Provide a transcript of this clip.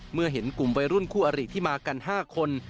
เมื่อเห็นกลุ่มวัยรุ่นคู่อริที่มากัน๕คน